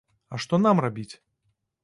А што нам рабіць?